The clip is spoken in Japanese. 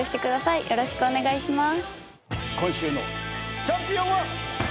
よろしくお願いします。